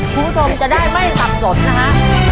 คุณผู้ชมจะได้ไม่สับสนนะฮะ